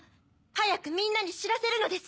はやくみんなにしらせるのです。